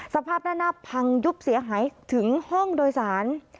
สภาพด้านหน้าพังยุบเสียหายถึงห้องโดยสาร